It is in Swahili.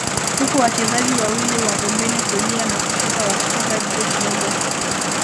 huku wachezaji wawili wa pembeni kulia na kushoto wakicheza juu kidogo